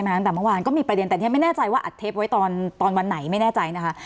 ยังไม่แน่ใจว่าอัดเทปไว้ตอนวันไหนไม่แน่ใจนะคะ